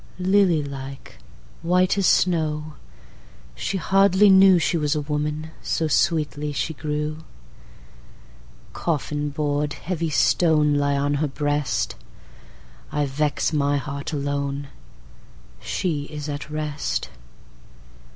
Lily like, white as snow, She hardly knewShe was a woman, soSweetly she grew. Coffin board, heavy stone, Lie on her breast;I vex my heart alone, She is at rest.